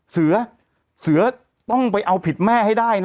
เสือเสือต้องไปเอาผิดแม่ให้ได้นะ